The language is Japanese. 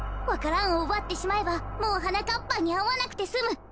わか蘭をうばってしまえばもうはなかっぱんにあわなくてすむ。